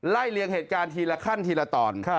เลียงเหตุการณ์ทีละขั้นทีละตอน